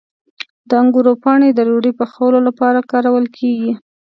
د انګورو پاڼې د ډوډۍ پخولو لپاره کارول کیږي.